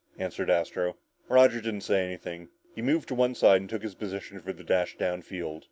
answered Astro. Roger didn't say anything. He moved to one side and took his position for the dash down field.